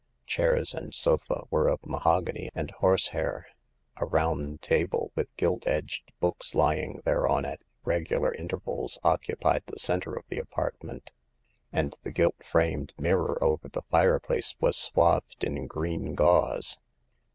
Chairs and sofa were of mahogany and horsehair; a round table, with gilt edged books lying thereon at regular intervals, occupied the center of the apartment, and the gilt framed mirror over the fireplace was swathed in green gauze.